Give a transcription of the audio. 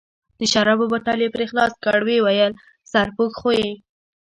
د شرابو بوتل یې پرې خلاص کړ، ویې ویل: سرپوښ خو یې.